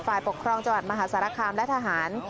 ฝ่ายปกครองจังหวัดมหาสารคามและทหาร